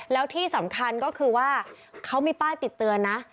แล้วที่สำคัญก็คือว่าเขามีป้ายติดเตือนนะ